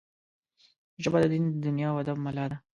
ژبه د دین، دنیا او ادب ملا ده